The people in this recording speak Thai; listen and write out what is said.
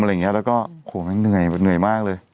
อะไรอย่างเงี้ยแล้วก็โอ้โหมันเหนื่อยมากเลย